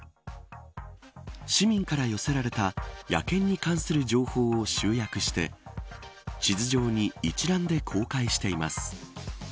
市民から寄せられた野犬に関する情報を集約して地図上に一覧で公開しています。